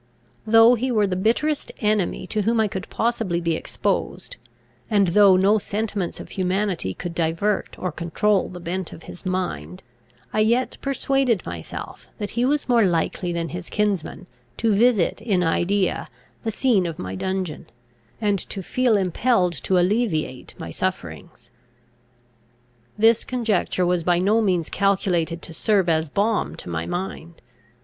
Though he were the bitterest enemy to whom I could possibly be exposed, and though no sentiments of humanity could divert or control the bent of his mind, I yet persuaded myself, that he was more likely than his kinsman, to visit in idea the scene of my dungeon, and to feel impelled to alleviate my sufferings. This conjecture was by no means calculated to serve as balm to my mind.